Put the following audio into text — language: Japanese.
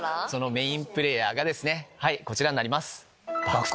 メインプレーヤーがこちらになります。